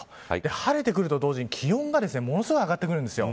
晴れてくると同時に気温がものすごい上がってくるんです。